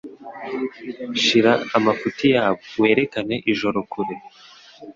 Shira amafuti yabo, werekane ijoro kure;